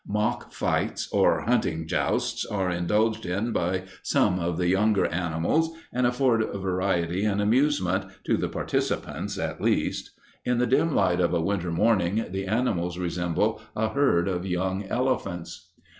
Mock fights or hunting jousts are indulged in by some of the younger animals and afford variety and amusement, to the participants at least. In the dim light of a winter morning the animals resemble a herd of young elephants.